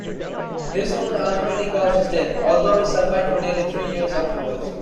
This wound ultimately caused his death, although he survived for nearly three years afterwards.